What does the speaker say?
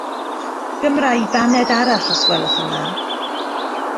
Gymra i baned arall os gwelwch yn dda.